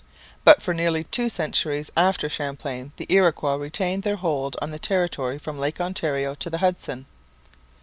But for nearly two centuries after Champlain the Iroquois retained their hold on the territory from Lake Ontario to the Hudson.